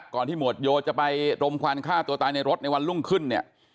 ที่หมวดโยจะไปรมควันฆ่าตัวตายในรถในวันรุ่งขึ้นเนี่ย